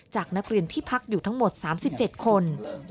จากนักเรียนที่พักอยู่ทั้งหมด๓๗คน